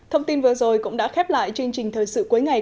thông tin vừa rồi cũng đã khép lại chương trình thời sự cuối ngày